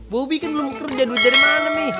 bobi kan belum kerja duit dari mana nih